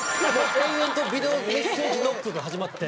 延々とビデオメッセージノックが始まって。